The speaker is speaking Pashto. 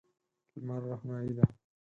لمر روښنايي ده.